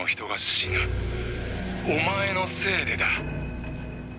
「お前のせいでだ」